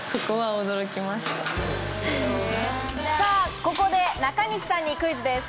ここで中西さんにクイズです。